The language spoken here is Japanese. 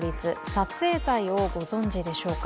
撮影罪をご存じでしょうか？